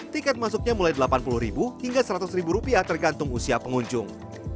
tiket masuknya mulai rp delapan puluh hingga rp seratus tergantung usia pengunjung